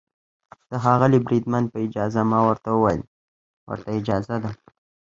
د ښاغلي بریدمن په اجازه، ما ورته وویل: ورته اجازه ده.